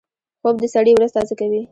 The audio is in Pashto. خوب د سړي ورځ تازه کوي